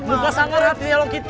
buka sangat hati ya lo gitu